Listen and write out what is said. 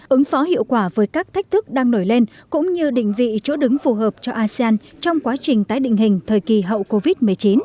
ứng phó hiệu quả với các thách thức đang nổi lên cũng như định vị chỗ đứng phù hợp cho asean trong quá trình tái định hình thời kỳ hậu covid một mươi chín